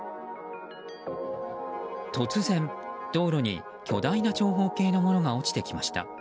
突然、道路に巨大な長方形のものが落ちてきました。